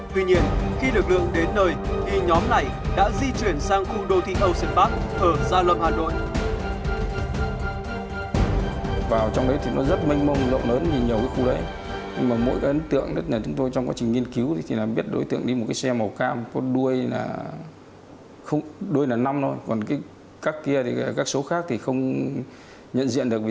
tuy nhiên khi lực lượng đến nơi thì nhóm này đã di chuyển sang khu đô thị âu sơn pháp ở gia lâm hà nội